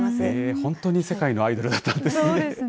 本当に世界のアイドルだったんですね。